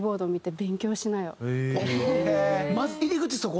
まず入り口そこ？